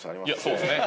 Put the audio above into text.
そうですね。